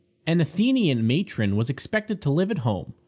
An Athenian matron was expected to live at home.